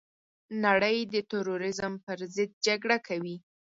نړۍ د تروريزم پرضد جګړه کوي.